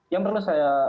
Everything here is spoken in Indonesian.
yang perlu saya